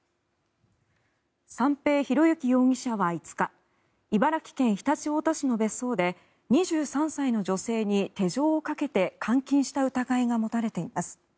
三瓶博幸容疑者は５日茨城県常陸太田市の別荘で２３歳の女性に手錠をかけて監禁した疑いが持たれています。